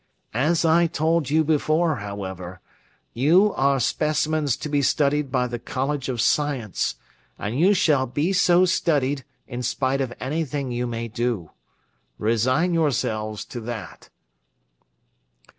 "As I told you before, however, you are specimens to be studied by the College of Science, and you shall be so studied in spite of anything you may do. Resign yourselves to that."